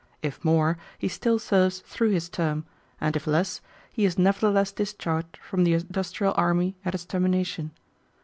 If more, he still serves through his term, and if less, he is nevertheless discharged from the industrial army at its termination.